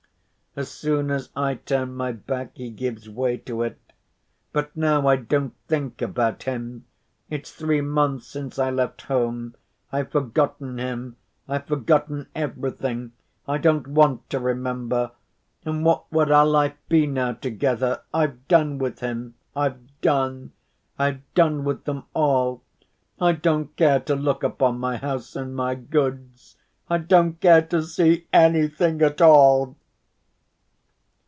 As soon as I turn my back he gives way to it. But now I don't think about him. It's three months since I left home. I've forgotten him. I've forgotten everything. I don't want to remember. And what would our life be now together? I've done with him, I've done. I've done with them all. I don't care to look upon my house and my goods. I don't care to see anything at all!"